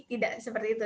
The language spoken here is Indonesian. tidak seperti itu